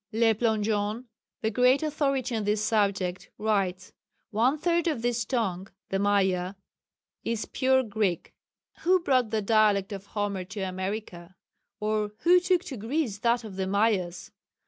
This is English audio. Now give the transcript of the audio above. Le Plongeon, the great authority on this subject, writes: "One third of this tongue (the Maya) is pure Greek. Who brought the dialect of Homer to America? or who took to Greece that of the Mayas?